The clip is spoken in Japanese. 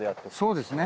そうですね。